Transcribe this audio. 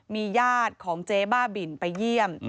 มีญาติของเจ๊บ้าบินไปเยี่ยม